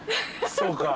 そうか。